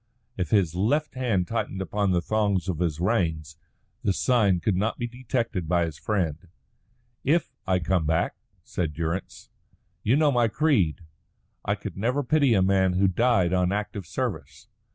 If his left hand tightened upon the thongs of his reins, the sign could not be detected by his friend. "If I come back," said Durrance. "You know my creed. I could never pity a man who died on active service.